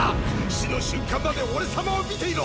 死の瞬間まで俺様を見ていろ！